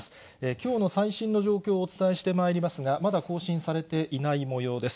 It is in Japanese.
きょうの最新の状況をお伝えしてまいりますが、まだ更新されていないもようです。